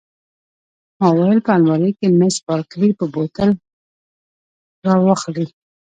ما وویل: په المارۍ کې، مس بارکلي به بوتل را واخلي.